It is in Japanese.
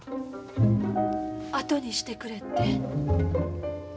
あとにしてくれって？